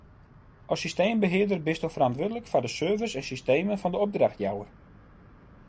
As systeembehearder bisto ferantwurdlik foar de servers en systemen fan de opdrachtjouwer.